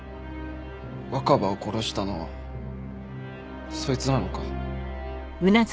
若葉を殺したのはそいつなのか？